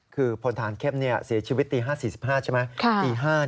คือพลฐานเข้มเสียชีวิตตี๕๔๕ใช่ไหม